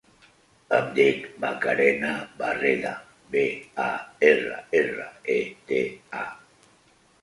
Em dic Macarena Barreda: be, a, erra, erra, e, de, a.